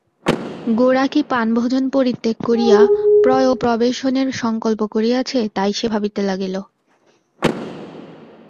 গোরা কি পানভোজন পরিত্যাগ করিয়া প্রায়োপবেশনের সংকল্প করিয়াছে তাই সে ভাবিতে লাগিল।